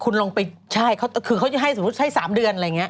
คุณลองไปถูกเขาจะให้สนุทธิ์สมมติให้๓เดือนอะไรอย่างเนี่ย